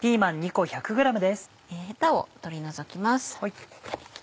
ヘタを取り除きます。